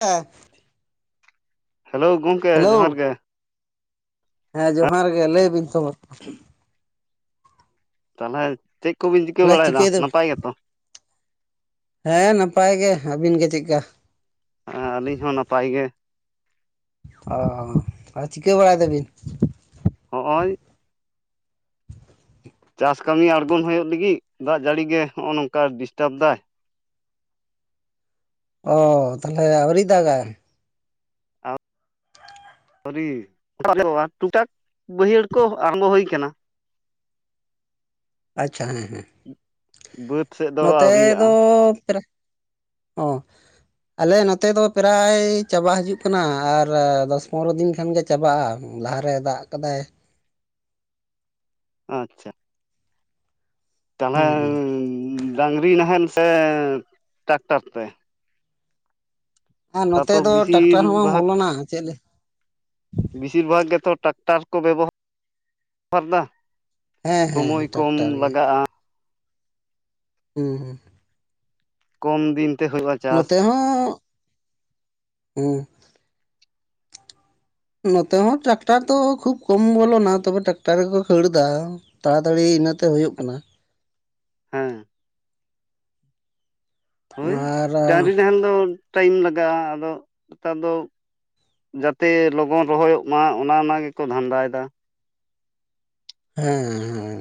ᱦᱮ hello ᱜᱚᱢᱠᱮ hello ᱡᱚᱦᱟᱨ ᱜᱮ ᱦᱮᱸ ᱡᱚᱦᱟᱨ ᱜᱮ ᱞᱟᱹᱭ ᱵᱤᱱ ᱠᱷᱚᱵᱚᱨ ᱠᱚ ᱛᱟᱦᱚᱞᱮ ᱪᱮᱫ ᱠᱚᱵᱤᱱ ᱪᱤᱠᱟᱹ ᱛᱟᱦᱚᱞᱮ ᱵᱟᱲᱟᱭᱮᱫᱟ ᱪᱤᱠᱟᱹᱭ ᱫᱟᱵᱤᱱ ᱱᱟᱯᱟᱭ ᱜᱮᱛᱚ ᱦᱮᱸ ᱱᱟᱯᱟᱭ ᱜᱮ ᱟᱹᱵᱤᱱ ᱜᱮ ᱪᱮᱫᱠᱟ ᱟᱹᱞᱤᱧ ᱦᱚᱸ ᱱᱟᱯᱟᱭ ᱜᱮ ᱚ ᱪᱤᱠᱟᱹ ᱵᱟᱲᱟᱭ ᱫᱟᱵᱤᱱ ᱦᱚᱜᱼᱚᱭ ᱪᱟᱥ ᱠᱟᱹᱢᱤ ᱟᱲᱜᱚᱱ ᱦᱩᱭᱩᱜ ᱞᱟᱹᱜᱤᱫ ᱫᱟᱜ ᱡᱟᱹᱲᱤ ᱜᱮ ᱱᱚᱜᱼᱚᱭ ᱱᱚᱝᱠᱟ ᱰᱤᱥᱴᱟᱵ ᱫᱟᱭ ᱚᱻ ᱛᱟᱦᱚᱞᱮ ᱟᱹᱣᱨᱤ ᱫᱟᱜᱽ ᱟᱭ ᱴᱩᱠᱴᱟᱠ ᱵᱟᱹᱭᱦᱟᱹᱲ ᱠᱚ ᱟᱨᱟᱢᱵᱚ ᱦᱩᱭ ᱠᱟᱱᱟ ᱟᱪᱪᱷᱟ ᱦᱮᱸ ᱦᱮᱸ ᱵᱟᱹᱫᱽ ᱥᱮᱫ ᱫᱚ ᱱᱚᱛᱮ ᱟᱹᱣᱨᱤᱭᱟᱜᱼᱟ ᱫᱚ ᱯᱮᱟ ᱚ ᱟᱞᱮ ᱱᱚᱛᱮ ᱫᱚ ᱯᱨᱟᱭ ᱪᱟᱵᱟ ᱦᱤᱡᱩᱜ ᱠᱟᱱᱟ ᱟᱨ ᱫᱚᱥ ᱯᱚᱱᱨᱚ ᱫᱤᱱ ᱠᱷᱟᱱ ᱜᱮ ᱪᱟᱵᱟᱜᱼᱟ ᱞᱟᱦᱟᱨᱮ ᱫᱟᱜ ᱟᱠᱟᱫᱟᱭ ᱟᱪᱪᱷᱟ ᱛᱟᱦᱩᱞᱮ ᱦᱩᱸ ᱦᱩᱸ ᱰᱟᱝᱨᱤ ᱱᱟᱦᱮᱞ ᱥᱮ ᱴᱨᱟᱠᱴᱟᱨ ᱛᱮ ᱟᱨ ᱱᱚᱛᱮ ᱛᱟᱛᱚ ᱫᱚ ᱵᱮᱥᱤᱨ ᱴᱨᱟᱠᱴᱟᱨ ᱦᱚᱸ ᱵᱟᱝ ᱵᱷᱟᱜᱽ ᱵᱚᱞᱚᱱᱟ ᱪᱮᱫ ᱵᱮᱥᱤᱨ ᱵᱷᱟᱜᱽ ᱜᱮᱛᱚ ᱴᱨᱟᱠᱴᱟᱨ ᱠᱚ ᱵᱮᱵᱚᱦᱟᱨᱫᱟ ᱦᱮᱸ ᱦᱮᱸ ᱦᱮᱸ ᱥᱚᱢᱚᱭ ᱠᱚᱢ ᱴᱨᱟᱠᱴᱟᱨ ᱜᱮ ᱞᱟᱜᱟᱜᱼᱟ ᱦᱩᱸ ᱦᱩᱸ ᱠᱚᱢ ᱫᱤᱱ ᱛᱮ ᱦᱩᱭᱩᱜᱼᱟ ᱪᱟᱥ ᱱᱚᱛᱮ ᱦᱚᱸ ᱦᱸ ᱱᱚᱛᱮ ᱦᱚᱸ ᱴᱨᱟᱠᱴᱟᱨ ᱫᱚ ᱠᱷᱩᱵ ᱠᱚᱢ ᱵᱚᱞᱚᱱᱟ ᱛᱚᱵᱮ ᱴᱮᱨᱟᱠᱴᱟᱨ ᱜᱮᱠᱚ ᱠᱷᱟᱹᱲ ᱮᱫᱟ ᱛᱟᱲᱟᱛᱟᱲᱤ ᱤᱱᱟᱹᱛᱮ ᱦᱩᱭᱩᱜ ᱠᱟᱱᱟ ᱦᱮᱸ ᱦᱳᱭ ᱟᱨ ᱰᱟᱝᱨᱤ ᱱᱟᱦᱮᱞ ᱫᱚ ᱴᱟᱭᱤᱢ ᱞᱟᱜᱟᱜᱼᱟ ᱟᱫᱚ ᱱᱮᱛᱟᱨ ᱫᱚ ᱡᱟᱛᱮ ᱞᱚᱜᱚᱱ ᱨᱚᱦᱚᱭᱚᱜ ᱢᱟ ᱚᱱᱟ ᱱᱟ ᱜᱮᱠᱚ ᱫᱷᱟᱱᱫᱟᱭᱮᱫᱟ ᱦᱮᱸ ᱦᱮᱸ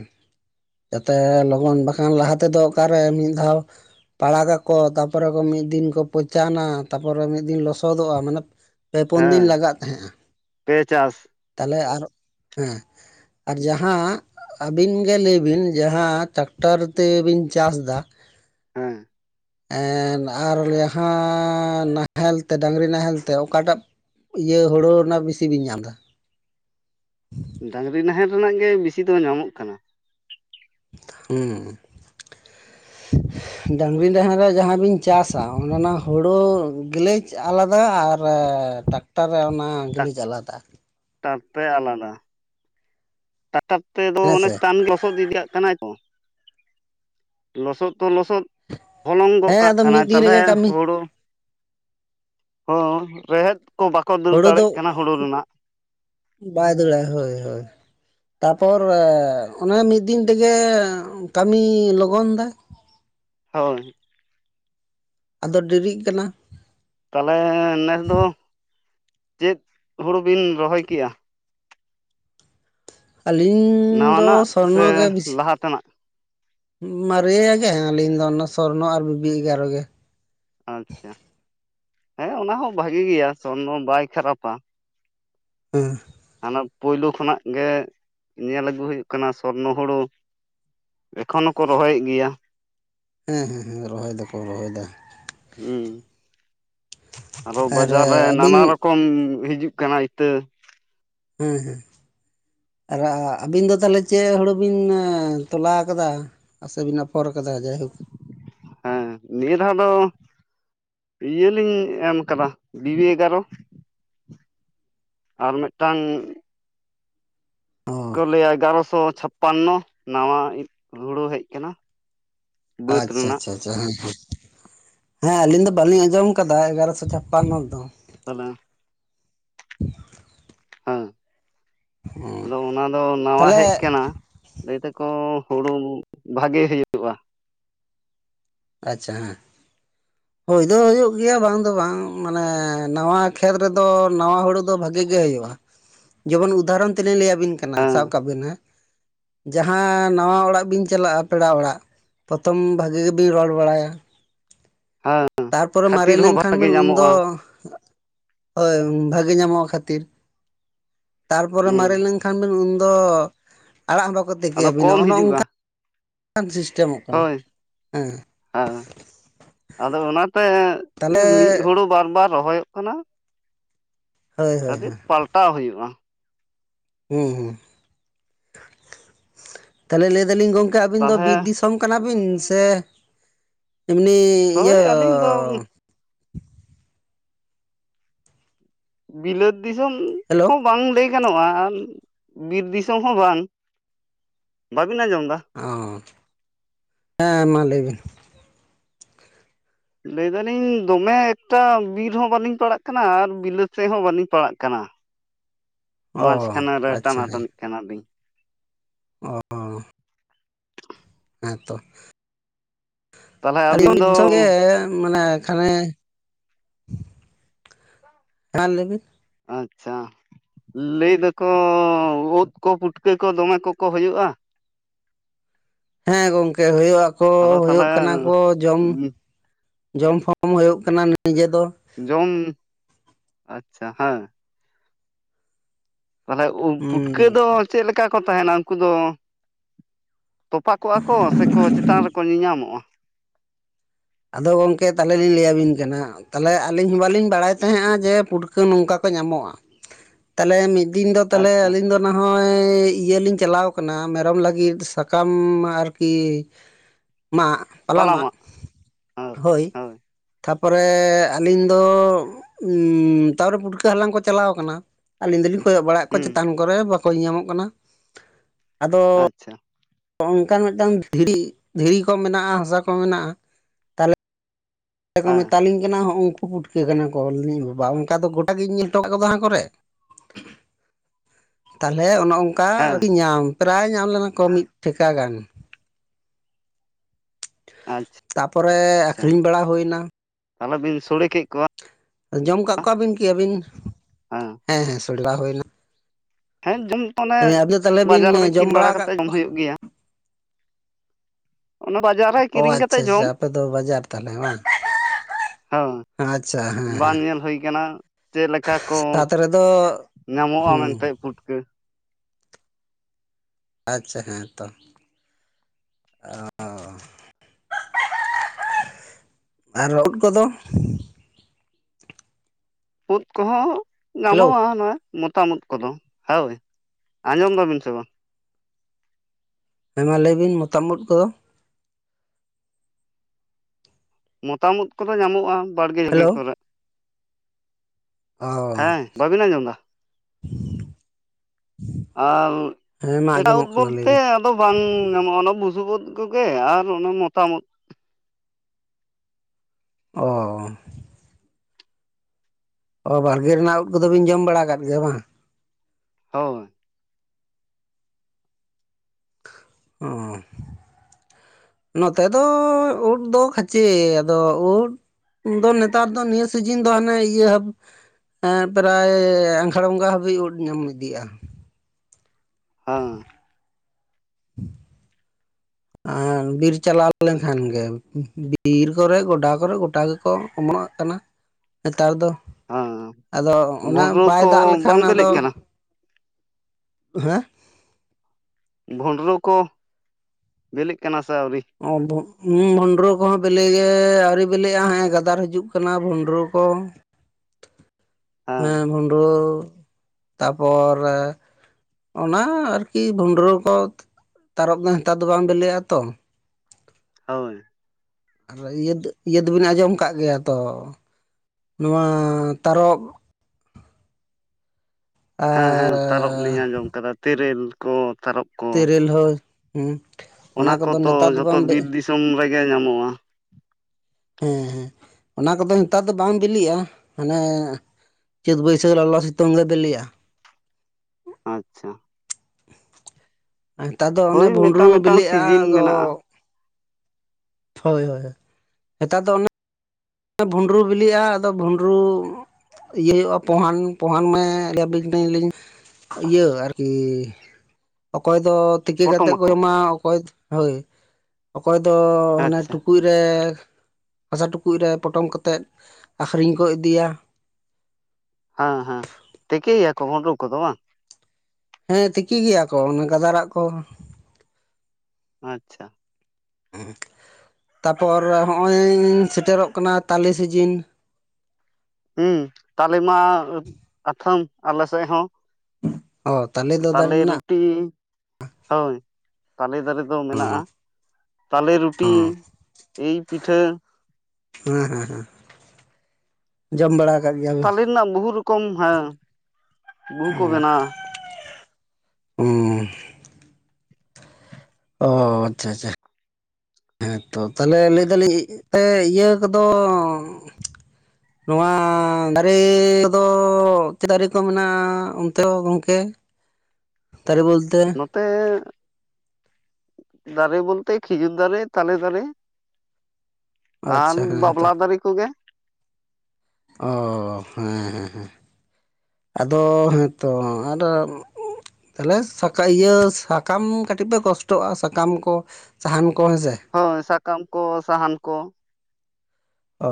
ᱡᱟᱛᱮ ᱞᱚᱜᱚᱱ ᱵᱟᱠᱷᱟᱱ ᱞᱟᱦᱟ ᱛᱮᱫᱚ ᱚᱠᱟᱨᱮ ᱢᱤᱫ ᱫᱷᱟᱣ ᱯᱟᱲᱟᱜᱟ ᱠᱚ ᱛᱟᱨᱯᱚᱨᱮ ᱠᱚ ᱢᱤᱫ ᱫᱤᱱ ᱠᱚ ᱯᱚᱪᱟᱱᱟ ᱛᱟᱨᱯᱚᱨᱮ ᱢᱤᱫ ᱫᱤᱱ ᱞᱚᱥᱚᱫᱚᱜ-ᱟ ᱢᱟᱱᱮ ᱯᱮ ᱯᱩᱱ ᱫᱤᱱ ᱦᱮᱸ ᱞᱟᱜᱟᱜ ᱛᱟᱦᱮᱸᱜ-ᱟ ᱯᱮ ᱪᱟᱥ ᱛᱟᱦᱚᱞᱮ ᱟᱨ ᱦᱮᱸ ᱟᱨ ᱡᱟᱦᱟᱸ ᱟᱹᱵᱤᱱ ᱜᱮ ᱞᱟᱹᱭ ᱵᱤᱱ ᱡᱟᱦᱟᱸ ᱴᱨᱟᱠᱴᱟᱨ ᱛᱮᱵᱤᱱ ᱪᱟᱥᱫᱟ ᱦᱮᱸ ᱮᱸ ᱟᱨ ᱡᱟᱦᱟᱸ ᱱᱟᱦᱮᱞ ᱛᱮ ᱰᱟᱝᱨᱤ ᱱᱟᱦᱮᱞ ᱛᱮ ᱚᱠᱟᱴᱟᱜ ᱤᱭᱟᱹ ᱦᱩᱲᱩ ᱨᱮᱱᱟᱜ ᱵᱤᱥᱤ ᱞᱤᱧ ᱧᱟᱢ ᱫᱟ ᱰᱟᱝᱨᱤ ᱱᱟᱦᱮᱞ ᱨᱮᱱᱟᱜ ᱜᱮ ᱵᱮᱥᱤ ᱫᱚ ᱧᱟᱢᱚᱜ ᱠᱟᱱᱟ ᱦᱩᱸ ᱰᱟᱝᱨᱤ ᱱᱟᱦᱮᱞ ᱨᱮᱭᱟᱜ ᱡᱟᱦᱟᱸ ᱵᱤᱱ ᱪᱟᱥᱟ ᱚᱸᱰᱮᱱᱟᱜ ᱦᱩᱲᱩ ᱜᱮᱞᱮᱪ ᱟᱞᱟᱫᱟ ᱟᱨ ᱴᱨᱟᱠ ᱛᱟᱨ ᱨᱮ ᱚᱱᱟ ᱜᱮᱞᱮ ᱡᱟᱞᱟᱫᱟ ᱴᱨᱟᱠ ᱯᱮ ᱟᱞᱟᱫᱟ ᱴᱟᱴᱟᱯ ᱛᱮᱫᱚ ᱦᱮᱸ ᱚᱱᱮ ᱥᱮ ᱪᱮᱛᱟᱱ ᱞᱚᱥᱚᱫ ᱤᱫᱤᱟᱜ ᱠᱟᱱᱟᱭ ᱠᱩ ᱞᱚᱥᱚᱫ ᱛᱚ ᱞᱚᱥᱚᱫ ᱦᱚᱞᱚᱝ ᱜᱚᱜ ᱦᱮᱸ ᱠᱟᱜ ᱟᱫᱚ ᱠᱟᱱᱟᱭ ᱢᱤᱫ ᱫᱤᱱ ᱛᱟᱞᱦᱮ ᱨᱮᱜᱮ ᱠᱟᱹᱢᱤ ᱦᱩᱲᱩ ᱦᱳ ᱨᱮᱦᱮᱫ ᱠᱚ ᱵᱟᱠᱚ ᱫᱟᱹᱲ ᱦᱳᱲᱳ ᱫᱚ ᱫᱟᱲᱮᱜ ᱠᱟᱱᱟ ᱦᱩᱲᱩ ᱨᱮᱱᱟᱜ ᱵᱟᱭ ᱫᱟᱹᱲᱟ ᱦᱳᱭ ᱦᱳᱭ ᱛᱟᱯᱚᱨ ᱚᱱᱮ ᱢᱤᱫ ᱫᱤᱱ ᱛᱮᱜᱮ ᱠᱟᱹᱢᱤ ᱞᱚᱜᱚᱱ ᱫᱟ ᱦᱳᱭ ᱟᱫᱚ ᱰᱮᱨᱤᱜ ᱠᱟᱱᱟ ᱛᱟᱦᱚᱞᱮ ᱱᱮᱥ ᱫᱚ ᱪᱮᱫ ᱦᱩᱲᱩ ᱵᱤᱱ ᱨᱚᱦᱚᱭ ᱠᱮᱜ-ᱟ? ᱟᱹᱞᱤᱧ ᱫᱚ ᱱᱟᱣᱟᱱᱟᱜ ᱥᱮ ᱥᱚᱨᱱᱚ ᱜᱮ ᱵᱮᱥᱤ ᱞᱟᱦᱟ ᱛᱮᱱᱟᱜ [inaudible] ᱢᱟᱨᱮᱭᱟᱜ ᱜᱮ ᱟᱹᱞᱤᱧ ᱫᱚ ᱚᱱᱟ ᱥᱚᱨᱱᱚ ᱟᱨ ᱵᱤᱵᱤ ᱮᱜᱟᱨᱚ ᱜᱮ ᱟᱪᱪᱷᱟ ᱦᱮᱸ ᱚᱱᱟ ᱦᱚᱸ ᱵᱷᱟᱜᱤ ᱜᱮᱭᱟ ᱥᱚᱨᱱᱚ ᱵᱟᱭ ᱠᱷᱟᱨᱟᱯᱟ ᱦᱮᱸ ᱦᱟᱱᱟ ᱯᱳᱭᱞᱳ ᱠᱷᱚᱱᱟᱜ ᱜᱮ ᱧᱮᱞ ᱟᱹᱜᱩ ᱦᱩᱭᱩᱜ ᱠᱟᱱᱟ ᱥᱚᱨᱱᱚ ᱦᱩᱲᱩ ᱮᱠᱷᱚᱱ ᱦᱚᱸᱠᱚ ᱨᱚᱦᱚᱭᱮᱜ ᱜᱮᱭᱟ ᱦᱮᱸ ᱦᱮᱸ ᱦᱮᱸ ᱨᱚᱦᱚᱭ ᱫᱟᱠᱚ ᱨᱚᱦᱚᱭ ᱫᱟ ᱦᱩᱸ ᱟᱨ ᱦᱚᱸ ᱵᱟᱡᱟᱨ ᱨᱮ ᱱᱟᱱᱟ ᱨᱚᱠᱚᱢ ᱦᱤᱡᱩᱜ ᱠᱟᱱᱟ ᱤᱛᱟᱹ ᱦᱩᱸ ᱦᱩᱸ ᱟᱨ ᱟ ᱟᱹᱵᱤᱱ ᱫᱚ ᱛᱟᱦᱚᱞᱮ ᱪᱮᱫ ᱦᱩᱲᱩ ᱵᱤᱱ ᱛᱚᱞᱟ ᱟᱠᱟᱫᱟ? ᱟᱥᱮ ᱵᱤᱱ ᱱᱟᱯᱷᱚᱨ ᱠᱟᱫᱟ ᱡᱟᱭ ᱦᱳᱠ ᱦᱮᱸ ᱱᱤᱭᱟᱹ ᱫᱷᱟᱣ ᱫᱚ ᱤᱭᱟᱹᱞᱤᱧ ᱮᱢ ᱟᱠᱟᱫᱟ ᱵᱤᱵᱤ ᱮᱜᱟᱨᱚ ᱟᱨ ᱢᱤᱫᱴᱟᱝ ᱚ ᱠᱚ ᱞᱟᱹᱭᱟ ᱮᱜᱟᱨᱚᱥᱚ ᱪᱷᱟᱯᱟᱱ ᱱᱚ ᱱᱟᱣᱟ ᱦᱩᱲᱩ ᱦᱮᱡ ᱠᱟᱱᱟ ᱟᱪᱪᱷᱟ ᱟᱪᱪᱷᱟ [unintelligible] ᱦᱮᱸ ᱟᱹᱞᱤᱧ ᱫᱚ ᱵᱟᱞᱤᱧ ᱟᱸᱡᱚᱢ ᱠᱟᱫᱟ ᱮᱜᱟᱨᱚᱥᱚ ᱪᱷᱟᱯᱟᱱᱱᱚ ᱫᱚ ᱛᱟᱦᱚᱞᱮ ᱦᱮᱸ ᱟᱫᱚ ᱚᱱᱟ ᱫᱚ ᱱᱟᱣᱟ ᱛᱟᱦᱚᱞᱮ ᱦᱮᱡ ᱠᱟᱱᱟ ᱞᱟᱹᱭ ᱫᱟᱠᱚ ᱦᱩᱲᱩ ᱵᱷᱟᱜᱮ ᱦᱩᱭᱩᱜ ᱟᱪᱷᱟ ᱦᱮᱸ [inaudible] ᱦᱩᱭ ᱫᱚ ᱦᱩᱭᱩᱜ ᱜᱮᱭᱟ ᱵᱟᱝ ᱫᱚ ᱵᱟᱝ ᱢᱟᱱᱮ ᱱᱟᱣᱟ ᱠᱷᱮᱛ ᱨᱮᱫᱚ ᱱᱟᱣᱟ ᱦᱩᱲᱩ ᱫᱚ ᱵᱷᱟᱹᱜᱤ ᱜᱮ ᱦᱩᱭᱩᱜᱼᱟ ᱡᱮᱢᱚᱱ ᱩᱫᱟᱦᱚᱨᱚᱱ ᱛᱮᱞᱤᱧ ᱞᱟᱹᱭ ᱟᱹᱵᱤᱱ ᱠᱟᱱᱟ ᱦᱮᱸ ᱥᱟᱵ ᱠᱟᱜ ᱵᱤᱱ ᱦᱮ ᱡᱟᱦᱟᱸ ᱱᱟᱣᱟ ᱚᱲᱟᱜ ᱵᱤᱱ ᱪᱟᱞᱟᱜᱼᱟ ᱯᱮᱲᱟ ᱚᱲᱟᱜ ᱯᱨᱚᱛᱷᱚᱢ ᱵᱷᱟᱹᱜᱤ ᱵᱤᱱ ᱨᱚᱲ ᱵᱟᱲᱟᱭᱟ ᱦᱮᱸ ᱛᱟᱨ ᱯᱚᱨᱮ ᱢᱟᱨᱮ ᱠᱷᱟᱹᱛᱤᱨ ᱦᱚᱸ ᱞᱮᱱᱠᱷᱟᱱ ᱵᱷᱟᱜᱮ ᱵᱤᱱ ᱩᱱᱫᱚ ᱧᱟᱢᱚᱜᱼᱟ ᱦᱳᱭ ᱵᱷᱟᱹᱜᱤ ᱧᱟᱢᱚᱜᱼᱟ ᱠᱷᱟᱹᱛᱤᱨ ᱛᱟᱨ ᱯᱚᱨᱮ ᱢᱟᱨᱮ ᱦᱩᱸ ᱞᱮᱱᱠᱷᱟᱱ ᱵᱤᱱ ᱩᱱᱫᱚ ᱟᱲᱟᱜ ᱦᱚᱸ ᱵᱟᱠᱚ ᱟᱫᱚ ᱛᱤᱠᱤᱭᱟ ᱵᱤᱱᱟ ᱠᱚᱢ ᱚᱱᱮ ᱦᱤᱡᱩᱜᱼᱟ ᱚᱱᱠᱟ ᱟᱱ [inaudible] ᱥᱤᱥᱴᱮᱢᱚᱜ ᱠᱟᱱᱟ ᱦᱳᱭ ᱦᱮᱸ ᱦᱮᱸ ᱟᱫᱚ ᱚᱱᱟ ᱛᱮ ᱛᱟᱦᱚᱞᱮ ᱢᱤᱫ ᱦᱩᱲᱩ ᱵᱟᱨ ᱵᱟᱨ ᱨᱚᱦᱚᱭᱚᱜ ᱠᱟᱱᱟ ᱦᱳᱭ ᱦᱳᱭ ᱠᱟᱹᱴᱤᱡ ᱦᱩᱸ ᱯᱟᱞᱴᱟᱣ ᱦᱩᱭᱩᱜᱼᱟ ᱛᱟᱞᱦᱮ ᱞᱟᱹᱭ ᱫᱟᱞᱤᱧ ᱜᱚᱝᱠᱮ ᱟᱵᱤᱱ ᱫᱚ ᱛᱟᱞᱦᱮ ᱵᱤᱨ ᱫᱤᱥᱚᱢ ᱚᱢ [inaudible] ᱠᱟᱱᱟ ᱵᱤᱱ ᱥᱮ ᱮᱢᱱᱤ ᱦᱳᱭ ᱤᱭᱟᱹᱻ ᱟᱹᱞᱤᱧ ᱫᱚ ᱵᱤᱞᱟᱹᱛ ᱫᱤᱥᱚᱢ ᱦᱮᱞᱳ ᱦᱚᱸ ᱵᱟᱝ ᱞᱟᱹᱭ ᱜᱟᱱᱚᱜᱼᱟ ᱵᱤᱨ ᱫᱤᱥᱚᱢ ᱦᱚᱸ ᱵᱟᱝ᱾ ᱵᱟᱵᱤᱱ ᱟᱸᱡᱚᱢ ᱮᱫᱟ᱾ ᱚᱸᱻ ᱦᱮᱸ ᱢᱟ ᱞᱟᱹᱭ ᱵᱤᱱ ᱞᱟᱹᱭ ᱫᱟᱞᱤᱧ ᱫᱚᱢᱮ ᱮᱠᱴᱟ ᱵᱤᱨ ᱦᱚᱸ ᱵᱟᱹᱞᱤᱧ ᱯᱟᱲᱟᱜ ᱠᱟᱱᱟ ᱟᱨ ᱵᱤᱞᱟᱹᱛ ᱥᱮᱫ ᱦᱚᱸ ᱵᱟᱹᱞᱤᱧ ᱯᱟᱲᱟᱜ ᱠᱟᱱᱟ᱾ ᱚ ᱢᱟᱪ ᱠᱷᱟᱱᱮ ᱨᱮ ᱟᱪᱪᱷᱟ ᱴᱟᱱᱟ ᱴᱟᱹᱱᱤᱜ ᱠᱟᱱᱟ ᱞᱤᱧ ᱚᱸ [inaudible] ᱦᱮᱸᱛᱚ ᱛᱟᱞᱦᱮ ᱟᱞᱤᱧ ᱟᱹᱵᱤᱱ ᱢᱤᱫ ᱫᱚ ᱜᱮ [inaudible] ᱢᱟᱱᱮ ᱠᱷᱟᱱᱮ ᱦᱮᱸ ᱞᱟᱹᱭ ᱵᱤᱱ ᱟᱪᱷᱟ ᱞᱟᱹᱭ ᱫᱟᱠᱚ ᱩᱫ ᱠᱚ ᱯᱩᱴᱠᱟᱹ ᱠᱚ ᱫᱚᱢᱮ ᱠᱚᱠᱚ ᱦᱩᱭᱩᱜᱼᱟ [inaudible] ᱦᱮᱸ ᱜᱚᱢᱠᱮ ᱦᱩᱭᱩᱜ ᱟᱠᱚ ᱟᱫᱚ ᱦᱩᱭᱩᱜ ᱠᱟᱱᱟ ᱛᱟᱦᱚᱞᱮ ᱠᱚ ᱡᱚᱢ ᱡᱚᱢ ᱯᱷᱚᱢ [inaudible] ᱦᱩᱭᱩᱜ ᱠᱟᱱᱟ ᱱᱤᱡᱮ ᱫᱚ ᱡᱚᱢ ᱟᱪᱷᱟ ᱦᱮᱸ᱾ ᱛᱟᱦᱞᱮ ᱯᱩᱴᱠᱟᱹ ᱦᱩᱸ ᱫᱚ ᱪᱮᱫ ᱞᱮᱠᱟ ᱠᱚ ᱛᱟᱦᱮᱱᱟ ᱩᱱᱠᱩ ᱫᱚ? ᱛᱚᱯᱟ ᱠᱚᱜᱼᱟ ᱠᱚ ᱥᱮ ᱠᱚ ᱪᱮᱛᱟᱱ ᱨᱮᱠᱚ ᱧᱮᱧᱟᱢᱚᱜᱼᱟ ᱟᱫᱚ ᱜᱚᱝᱠᱮ ᱛᱟᱦᱚᱞᱮ ᱞᱤᱧ ᱞᱟᱹᱭ ᱟᱵᱤᱱ ᱠᱟᱱᱟ ᱦᱟᱜ ᱛᱟᱦᱚᱞᱮ ᱟᱹᱞᱤᱧ ᱵᱟᱹᱞᱤᱧ ᱵᱟᱲᱟᱭ ᱛᱟᱦᱮᱸᱫᱼᱟ ᱡᱮ ᱯᱩᱴᱠᱟᱹ ᱱᱚᱝᱠᱟ ᱠᱚ ᱧᱟᱢᱚᱜᱼᱟ [inaudible] ᱛᱟᱦᱚᱞᱮ ᱢᱤᱫ ᱫᱤᱱ ᱫᱚ ᱛᱟᱦᱮ ᱟᱪᱪᱷᱟ ᱟᱞᱤᱧ ᱫᱚ ᱚᱱᱟ ᱦᱚᱸᱭ ᱤᱭᱟᱹ ᱞᱤᱧ ᱪᱟᱞᱟᱣ ᱠᱟᱱᱟ ᱢᱮᱨᱚᱢ ᱞᱟᱹᱜᱤᱫ ᱥᱟᱠᱟᱢ ᱟᱨ ᱠᱤ ᱢᱟᱜ ᱯᱟᱞᱟ ᱢᱟᱜ ᱦᱳᱭ ᱛᱟᱯᱚᱨᱮ ᱟᱹᱞᱤᱧ ᱫᱚ ᱛᱟᱨᱚ ᱯᱩᱴᱠᱟᱹ ᱦᱟᱞᱟᱝ ᱠᱚ ᱪᱟᱞᱟᱣ ᱠᱟᱱᱟ᱾ ᱟᱹᱞᱤᱧ ᱫᱚᱞᱤᱧ ᱠᱚᱭᱚᱜ ᱵᱟᱲᱟᱭᱮᱫ ᱠᱚᱣᱟ ᱦᱩᱸ ᱪᱮᱛᱟᱱ ᱠᱚᱨᱮ ᱵᱟᱠᱚ ᱧᱮᱞ ᱧᱟᱢᱚᱜ ᱠᱟᱱᱟ ᱟᱫᱚ ᱟᱪᱷᱟ ᱚᱱᱠᱟᱱ ᱢᱤᱫᱴᱟᱝ ᱫᱷᱤᱲᱤ ᱫᱷᱤᱲᱤ ᱠᱚ ᱢᱮᱱᱟᱜᱼᱟ ᱦᱟᱥᱟ ᱠᱚ ᱢᱮᱱᱟᱜᱼᱟ ᱤᱠ [inaudible] ᱦᱮᱸ ᱢᱮᱛᱟ ᱞᱤᱧᱼᱼ ᱮᱱᱟᱝ ᱦᱚᱸ [inaudible] ᱩᱱᱠᱩ ᱯᱩᱴᱠᱟᱹ ᱠᱟᱱᱟ ᱠᱚ ᱤᱧ ᱵᱟᱵᱟ ᱚᱱᱠᱟ ᱫᱚ ᱜᱚᱴᱟᱜ ᱜᱤᱧ ᱧᱮᱞ ᱦᱚᱴᱚ ᱠᱟᱜ ᱠᱚᱫᱚ ᱦᱟᱱᱟ ᱠᱚᱨᱮ ᱛᱟᱞᱦᱮ ᱚᱱᱮ ᱚᱱᱠᱟ ᱟᱰᱤ ᱦᱮᱸ ᱧᱟᱢ ᱯᱨᱟᱭ ᱧᱟᱢ ᱞᱮᱱᱟ ᱠᱚ ᱢᱤᱫ ᱴᱷᱮᱠᱟ ᱜᱟᱱ ᱟᱪᱷᱟ [inaudible] ᱛᱟᱯᱚᱨᱮ ᱟᱹᱠᱷᱨᱤᱧ ᱵᱟᱲᱟ ᱦᱩᱭᱮᱱᱟ ᱛᱟᱦᱞᱮ ᱵᱤᱱ ᱥᱳᱲᱮ ᱠᱮᱫ ᱠᱚᱣᱟ? ᱡᱚᱢ ᱠᱟᱜ ᱠᱚᱣᱟᱵᱤᱱ ᱠᱤ ᱟᱹᱵᱤᱱ ᱦᱮᱸ ᱦᱮᱸ ᱥᱚᱲᱮ ᱵᱟᱲᱟ ᱦᱩᱭᱱᱟ᱾ ᱦᱮᱸ ᱡᱚᱢ ᱛᱚ ᱚᱱᱮ ᱟᱵᱤᱱ ᱫᱚ ᱛᱟᱦᱚᱞᱮ ᱵᱤᱱ ᱵᱟᱡᱟᱨ ᱨᱮ ᱡᱚᱢ ᱠᱤᱨᱤᱧ ᱵᱟᱲᱟ ᱟᱠᱟᱫ ᱠᱟᱛᱮᱫ ᱡᱚᱢ ᱠᱚᱣᱟ ᱦᱩᱭᱩᱜ ᱜᱮᱭᱟ᱾ ᱚᱱᱟ ᱵᱟᱡᱟᱨ ᱨᱮ ᱚ ᱠᱤᱨᱤᱧ ᱠᱟᱛᱮ ᱟᱪᱪᱷᱟ ᱟᱪᱪᱷᱟ ᱡᱚᱢ ᱟᱯᱮ ᱫᱚ ᱵᱟᱡᱟᱨ ᱛᱟᱦᱚᱞᱮ ᱵᱟᱝ ᱦᱚᱸ, ᱟᱪᱪᱷᱟ ᱦᱮᱸ ᱵᱟᱝ ᱧᱮᱞ ᱦᱩᱭ ᱠᱟᱱᱟ ᱪᱮᱫ ᱞᱮᱠᱟ ᱠᱚ ᱥᱟᱛ ᱨᱮᱫᱚ ᱧᱟᱢᱚᱜᱼᱟ ᱦᱩᱸ ᱢᱮᱱᱛᱮ ᱯᱷᱩᱴᱠᱟᱹ ᱟᱪᱪᱷᱟ ᱦᱮᱸ ᱛᱚ, ᱚ᱾ ᱦᱩᱸ [unintelligible] ᱟᱨ ᱩᱫ ᱠᱚᱫᱚ? ᱩᱫ ᱠᱚᱦᱚᱸ ᱦᱮᱞᱳ ᱜᱟᱱᱚᱜ-ᱟ ᱱᱚᱜ-ᱚᱭ᱾ ᱢᱚᱛᱟᱢ ᱩᱫ ᱠᱚᱫᱚ ᱦᱳᱭ ᱟᱸᱡᱚᱢ ᱫᱟᱵᱤᱱ ᱥᱮ ᱵᱟᱝ? ᱦᱮᱸ ᱢᱟ ᱞᱟᱹᱭᱵᱤᱱ ᱢᱚᱛᱟᱢ ᱩᱫ ᱠᱚ ᱢᱚᱛᱟᱢ ᱩᱫ ᱠᱚᱫᱚ ᱧᱟᱢᱚᱜᱼᱟ ᱵᱟᱲᱜᱮ ᱡᱷᱟᱲᱜᱮ ᱦᱮᱞᱳ ᱠᱚᱨᱮᱫ ᱚ ᱦᱮᱸ ᱵᱟᱹᱵᱤᱱ ᱟᱸᱡᱚᱢ ᱮᱫᱟ? ᱟᱨ ᱦᱮᱸ ᱢᱟ ᱮᱴᱟᱜ ᱩᱫ ᱟᱸᱡᱚᱢᱚᱜ ᱠᱟᱱᱟ ᱞᱟᱹᱭ ᱵᱚᱞᱛᱮ ᱵᱤᱱ ᱫᱚ ᱵᱟᱝ ᱧᱟᱢᱚᱜᱼᱟ ᱚᱱᱟ ᱵᱩᱥᱩᱵ ᱩᱫ ᱠᱚᱜᱮ ᱟᱨ ᱚᱱᱮ ᱢᱚᱛᱟᱢ ᱩᱫ ᱚ ᱾ ᱚ ᱵᱟᱲᱜᱮ ᱨᱮᱱᱟᱜ ᱩᱫ ᱠᱚᱫᱚ ᱵᱤᱱ ᱡᱚᱢ ᱵᱟᱲᱟ ᱟᱠᱟᱫ ᱜᱮᱭᱟ ᱵᱟᱝ? ᱦᱳᱭ᱾ ᱚ᱾ ᱱᱚᱛᱮ ᱫᱚ ᱩᱫ ᱫᱚ ᱠᱷᱟᱪᱮ ᱟᱫᱚ ᱩᱫ ᱩᱱᱫᱚ ᱱᱮᱛᱟᱨ ᱫᱚ ᱱᱤᱭᱟᱹ ᱥᱤᱡᱤᱱ ᱫᱚ ᱦᱟᱱᱮ ᱤᱭᱟᱹ ᱦᱮᱸ ᱯᱨᱟᱭ ᱟᱸᱜᱷᱟᱲ ᱵᱚᱸᱜᱟ ᱦᱟᱹᱵᱤᱡ ᱩᱫ ᱧᱟᱢ ᱤᱫᱤᱜᱼᱟ᱾ ᱦᱚᱸ᱾ ᱟᱨ ᱵᱤᱨ ᱪᱟᱞᱟᱣ ᱞᱮᱱᱠᱷᱟᱱ ᱜᱮ ᱵᱤᱨ ᱠᱚᱨᱮ ᱜᱚᱰᱟ ᱠᱚᱨᱮ ᱜᱚᱴᱟ ᱜᱮᱠᱚ ᱚᱢᱚᱱᱚᱜ ᱠᱟᱱᱟ ᱱᱮᱛᱟᱨ ᱫᱚ᱾ ᱦᱮᱸ ᱟᱫᱚ ᱚᱱᱟ ᱵᱷᱩᱸᱰᱨᱩ ᱵᱟᱭ ᱠᱚ ᱫᱟᱜ ᱞᱮᱠᱷᱟᱱ ᱵᱟᱝ ᱟᱫᱚ ᱵᱤᱞᱤᱜ ᱠᱟᱱᱟ ᱦᱮᱸ ᱵᱷᱩᱸᱰᱨᱩ ᱠᱚ ᱵᱤᱞᱤᱜ ᱠᱟᱱᱟ ᱥᱮ ᱟᱹᱣᱨᱤ? ᱟᱫᱚ ᱦᱩᱸ ᱵᱷᱩᱸᱰᱨᱩ ᱠᱚᱦᱚᱸ ᱵᱤᱞᱤ ᱜᱮ ᱟᱹᱣᱨᱤ ᱵᱤᱞᱤᱜᱼᱟ ᱦᱮᱸᱜ-ᱮ ᱜᱟᱫᱟᱨ ᱦᱤᱡᱩᱜ ᱠᱟᱱᱟ ᱵᱷᱩᱸᱰᱨᱩ ᱠᱚ᱾ ᱦᱮᱸ ᱵᱷᱩᱸᱰᱨᱩ ᱛᱟᱯᱚᱨ ᱚᱱᱟ ᱟᱨᱠᱤ ᱵᱷᱩᱸᱰᱨᱩ ᱠᱚ ᱛᱟᱨᱚᱵ ᱫᱚ ᱱᱮᱛᱟᱨ ᱫᱚ ᱵᱟᱝ ᱵᱤᱞᱤᱜᱼᱟ ᱛᱚ᱾ ᱦᱳᱭ᱾ ᱟᱨ ᱤᱭᱟᱹ ᱫᱚ ᱤᱭᱟᱹ ᱫᱚᱵᱤᱱ ᱟᱸᱡᱚᱢ ᱠᱟᱫ ᱜᱮᱭᱟ ᱛᱚ᱾ ᱱᱚᱣᱟ ᱛᱟᱨᱚᱵ᱾ ᱦᱮᱸ ᱟᱨ ᱦᱮᱸ ᱛᱟᱨᱚᱵ ᱞᱤᱧ ᱟᱸᱡᱚᱢ ᱟᱠᱟᱫᱟ ᱛᱮᱨᱮᱞ ᱠᱚ ᱛᱟᱨᱚᱵ ᱠᱚ ᱛᱮᱨᱮᱞ ᱦᱚᱸ ᱦᱩᱸ, ᱚᱱᱟ ᱠᱚᱫᱚ ᱱᱮᱛᱟᱨ ᱫᱚ ᱵᱟᱝ ᱵᱤᱜ ᱛᱩᱝ ᱨᱮᱜᱮ ᱧᱟᱢᱚᱜᱼᱟ᱾ ᱦᱮᱸ ᱦᱮᱸ ᱚᱱᱟ ᱠᱚᱫᱚ ᱱᱮᱛᱟᱨ ᱫᱚ ᱵᱟᱝ ᱵᱤᱞᱤᱜᱼᱟ ᱦᱟᱱᱮ ᱪᱟᱹᱛ ᱵᱟᱹᱭᱥᱟᱹᱠ ᱞᱚᱞᱚ ᱥᱤᱛᱩᱝ ᱜᱮ ᱵᱤᱞᱤᱜᱼᱟ᱾ ᱟᱪᱪᱷᱟ᱾ ᱦᱮᱸᱛᱟᱨ ᱫᱚ ᱚᱱᱮ ᱦᱳᱭ ᱵᱷᱩᱸᱰᱨᱩ ᱢᱤᱫᱴᱟᱝ ᱢᱤᱫᱴᱟᱝ ᱵᱤᱞᱤᱜᱼᱟ ᱥᱤᱡᱤᱱ ᱟᱫᱚ ᱢᱮᱱᱟᱜᱼᱟ ᱦᱳᱭ ᱦᱳᱭ ᱦᱳᱭ ᱱᱮᱛᱟᱨ ᱫᱚ ᱚᱱᱮ ᱵᱷᱩᱸᱰᱨᱩ ᱵᱤᱞᱤᱜᱼᱟ ᱟᱫᱚ ᱵᱷᱩᱸᱰᱨᱩ ᱤᱭᱟᱹ ᱦᱩᱭᱩᱜᱼᱟ ᱯᱳᱦᱟᱱ ᱯᱳᱦᱟᱱ ᱢᱮ [unintelligible] ᱞᱤᱧ ᱞᱤᱧ ᱤᱭᱟᱹ ᱟᱨᱠᱤ ᱚᱠᱚᱭ ᱫᱚ ᱛᱤᱠᱤ ᱠᱟᱛᱮ ᱠᱚ ᱯᱚᱴᱚᱢᱟᱠᱚ ᱮᱢᱟ ᱚᱠᱚᱭ, ᱦᱳᱭ᱾ ᱚᱠᱚᱭ ᱫᱚ ᱦᱟᱱᱮ ᱟᱪᱪᱷᱟ ᱴᱩᱠᱩᱡ ᱡᱮ, ᱦᱟᱥᱟ ᱴᱩᱠᱩᱡ ᱨᱮ ᱯᱚᱴᱚᱢ ᱠᱟᱛᱮᱫ ᱟᱠᱷᱨᱤᱧ ᱠᱚ ᱤᱫᱤᱭᱟ᱾ ᱦᱮᱸ ᱦᱮᱸ ᱛᱤᱠᱤᱭᱟᱠᱚ ᱵᱷᱩᱸᱰᱨᱩ ᱠᱚᱫᱚ ᱵᱟᱝ? ᱦᱮᱸ ᱛᱤᱠᱤ ᱜᱮᱭᱟ ᱠᱚ ᱚᱱᱮ ᱜᱟᱫᱟᱨᱟᱜ ᱠᱚ᱾ ᱟᱪᱪᱷᱟ ᱾ ᱛᱟᱯᱚᱨ ᱱᱚᱜᱼᱚᱭ ᱥᱮᱴᱮᱨᱚᱜ ᱠᱟᱱᱟ ᱛᱟᱞᱮ ᱥᱤᱡᱤᱱ ᱾ ᱦᱮᱸ ᱛᱟᱞᱮᱢᱟ ᱟᱛᱷᱟᱢ ᱟᱞᱮ ᱥᱮᱫ ᱦᱚᱸ ᱚ ᱛᱟᱦᱞᱮ ᱫᱚ ᱫᱟᱨᱮ ᱢᱮᱱᱟᱜᱼᱟ ᱴᱤ ᱦᱳᱭ ᱛᱟᱞᱮ ᱫᱟᱨᱮ ᱫᱚ ᱚ ᱢᱮᱱᱟᱜᱼᱟ ᱛᱟᱞᱮ ᱚ ᱨᱩᱴᱤ ᱮᱭ ᱯᱤᱴᱷᱟᱹ ᱦᱮᱸ ᱦᱮᱸ ᱦᱮᱸ ᱡᱚᱢ ᱵᱟᱲᱟ ᱟᱠᱟᱫ ᱜᱮᱭᱟᱵᱤᱱ ᱛᱟᱞᱮ ᱾ ᱨᱮᱱᱟᱜ ᱵᱚᱦᱩ ᱨᱚᱠᱚᱢ ᱦᱮᱸ ᱵᱦᱩ ᱠᱚ ᱵᱮᱱᱟᱣᱟ ᱾ ᱦᱩᱸ ᱚᱻ ᱟᱪᱷᱟ ᱟᱪᱷᱟ ᱦᱮᱸᱛᱚ ᱛᱟᱦᱞᱮ ᱞᱟᱹᱭ ᱫᱟᱞᱤᱧ ᱮ ᱤᱭᱟᱹ ᱠᱚᱫᱚᱻ ᱱᱚᱣᱟ ᱫᱟᱨᱮ ᱫᱚ ᱛᱤᱱᱟᱹᱜ ᱨᱚᱠᱚᱢ ᱢᱮᱱᱟᱜᱼᱟ ᱚᱱᱛᱮ ᱜᱚᱝᱠᱮ [inaudible] ᱛᱚᱨᱵᱟᱞ ᱱᱚᱛᱮ ᱫᱟᱨᱮ ᱵᱚᱞ ᱛᱮ ᱠᱷᱤᱡᱩᱨ ᱫᱟᱨᱮ ᱛᱟᱞᱮ ᱫᱟᱨᱮ ᱾ ᱟᱨ ᱟᱪᱪᱷᱟ ᱦᱮᱸ ᱛᱚ ᱵᱟᱵᱷᱞᱟ ᱫᱟᱨᱮ ᱠᱚᱜᱮ ᱾ ᱚ ᱦᱮᱸ ᱦᱮᱸ ᱦᱮᱸᱻ ᱟᱫᱚ ᱦᱮᱸᱛᱚ ᱟᱨ ᱛᱟᱦᱞᱮ ᱥᱟ ᱤᱭᱟᱹ ᱥᱟᱠᱟᱢ ᱠᱟᱹᱴᱤᱡ ᱯᱮ ᱠᱚᱥᱴᱚᱜᱼᱟ ᱥᱟᱠᱟᱢ ᱠᱚᱻ ᱥᱟᱦᱟᱱ ᱠᱚ ᱦᱮᱸ ᱥᱮ ᱻ ᱦᱳᱭ ᱥᱟᱠᱟᱢ ᱠᱚ ᱥᱟᱦᱟᱱ ᱠᱚ ᱾ ᱚ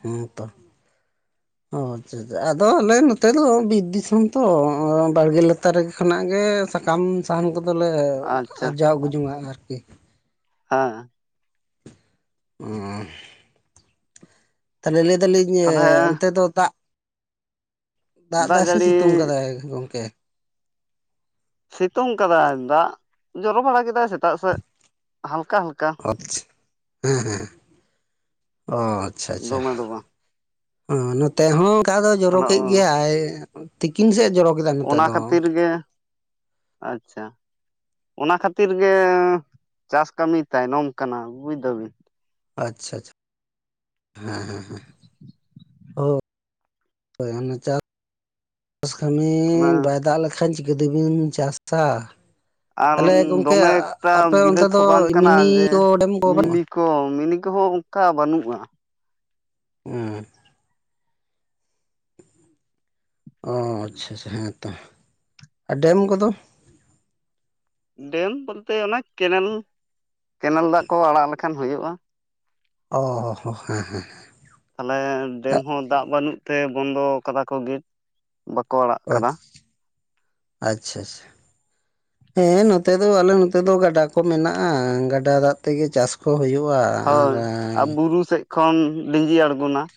ᱦᱮ ᱛᱚ ᱟᱫᱚ ᱟᱞᱮ ᱱᱚᱛᱮ ᱫᱚ ᱵᱤᱨ ᱫᱤᱥᱚᱢ ᱛᱚ ᱵᱟᱲᱜᱮ ᱞᱟᱛᱟᱨ ᱨᱮ ᱠᱷᱚᱱᱟᱜ ᱜᱮ ᱥᱟᱠᱟᱢ ᱥᱟᱦᱟᱱ ᱠᱚᱫᱚᱞᱮ ᱟᱪᱪᱷᱟ ᱟᱨᱡᱟᱣ ᱟᱹᱜᱩ ᱡᱚᱝᱟ ᱟᱨᱠᱤ ᱦᱚᱸ ᱚ ᱛᱟᱦᱞᱮ ᱞᱟᱹᱭᱫᱟᱞᱤᱧ ᱛᱟᱞᱦᱮ ᱚᱱᱛᱮ ᱫᱚ ᱫᱟᱜᱽ ᱫᱟᱜ ᱮᱫᱟᱭ ᱥᱮ ᱥᱤᱛᱩᱝ ᱠᱟᱫᱟᱭ ᱜᱚᱢᱠᱮ ᱾ ᱥᱤᱛᱩᱝ ᱠᱟᱫᱟᱭ ᱫᱟᱜ ᱡᱚᱨᱚ ᱵᱟᱲᱟ ᱠᱮᱫᱟᱭ ᱥᱮᱛᱟᱜ ᱥᱮᱫ ᱦᱟᱞᱠᱟ- ᱦᱟᱞᱠᱟ ᱦᱮᱸ ᱦᱮᱸ ᱚ ᱟᱪᱷᱟ ᱟᱪᱷᱟ ᱫᱚᱢᱮ ᱫᱚ ᱵᱟᱝ ᱦᱮ ᱱᱚᱛᱮ ᱦᱚᱸ ᱚᱱᱠᱟ ᱫᱚ ᱡᱚᱨᱚᱠᱮᱫ ᱛᱟᱦᱚᱞᱮ ᱜᱮᱭᱟᱭ ᱛᱤᱠᱤᱱ ᱥᱮᱫ ᱡᱚᱨᱚᱠ ᱚᱱᱟ ᱠᱷᱟᱹᱛᱤᱨ ᱜᱮ ᱟᱪᱷᱟ ᱚᱱᱟ ᱠᱷᱟᱹᱛᱤᱨ ᱜᱮ ᱪᱟᱥ ᱠᱟᱹᱢᱤ ᱛᱟᱭᱱᱚᱢ ᱠᱟᱱᱟ ᱵᱩᱡ ᱫᱟᱵᱮᱱ ᱾ ᱟᱪᱷᱟ ᱟᱪᱷᱟ ᱦᱮᱸ ᱦᱮᱸᱮᱸ ᱦ ᱦᱚᱭ ᱪᱟᱥ ᱪᱟᱥ ᱠᱟᱹᱢᱤ ᱚᱱᱟ ᱵᱟᱭ ᱫᱟᱜ ᱞᱮᱠᱷᱟᱱ ᱪᱤᱠᱟᱹ ᱛᱮᱵᱤᱱ ᱪᱟᱥᱼᱟ ᱾ ᱟᱨ ᱛᱟᱦᱞᱮ ᱜᱚᱝᱠᱮ ᱫᱚᱢᱮ ᱮᱠᱴᱟ ᱟᱯᱮ ᱚᱱᱛᱮ ᱵᱤᱞᱟᱹᱛ ᱫᱚ ᱢᱤᱱᱤ ᱠᱚ ᱰᱮᱢ ᱠᱚ ᱵᱟᱹᱱᱩᱜᱼᱟ ᱾ ᱦᱚᱸᱢᱤᱱᱤ ᱠᱚᱦᱚᱸ ᱚᱱᱠᱟ ᱵᱟᱹᱱᱩᱜᱼᱟ ᱾ ᱦᱩᱸ ᱚᱻ ᱟᱪᱷᱟᱻᱟᱪᱷᱟ ᱦᱮᱸ ᱛᱚ ᱟᱨ ᱰᱮᱢ ᱠᱚᱫᱚᱻ ᱰᱮᱢ ᱵᱚᱞᱛᱮ ᱚᱱᱟ ᱠᱮᱱᱮᱞ ᱠᱮᱱᱮᱞ ᱫᱟᱜ ᱠᱚ ᱟᱲᱟᱜ ᱞᱮᱠᱷᱟᱱ ᱦᱩᱭᱩᱜᱼᱟ ᱾ ᱚ ᱦᱮᱸᱻᱦᱮᱸ ᱻᱦᱮᱸᱻ ᱛᱟᱦᱞᱮ ᱰᱮᱢ ᱦᱚᱸ ᱫᱟᱜ ᱵᱟᱹᱱᱩᱜ ᱛᱮ ᱵᱚᱱᱫᱚ ᱠᱟᱫᱟ ᱠᱚ ᱜᱮᱴ ᱵᱟᱠᱚ ᱟᱲᱟᱜ ᱚ ᱠᱟᱫᱟ ᱟᱪᱷᱟᱻᱟᱪᱷᱟ ᱦᱮᱸ ᱱᱚᱛᱮ ᱫᱚ ᱟᱞᱮ ᱱᱚᱛᱮ ᱫᱚ ᱜᱟᱰᱟ ᱠᱚ ᱢᱮᱱᱟᱜᱼᱟ ᱜᱟᱰᱟ ᱫᱟᱜ ᱛᱮᱜᱮ ᱪᱟᱥ ᱠᱚ ᱦᱩᱭᱩᱜᱼᱟ ᱟᱨ ᱦᱳᱭ ᱟᱨ ᱵᱩᱨᱩ ᱥᱮᱫ ᱠᱷᱚᱱ ᱞᱤᱸᱡᱤ ᱟᱬᱜᱚᱱᱟ ᱾